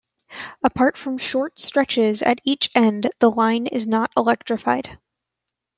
Apart from short stretches at each end, the line is not electrified.